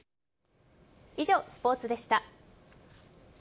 以上、スポーツでした。